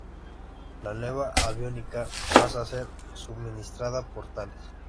La nueva aviónica, pasa a ser suministrada por Thales.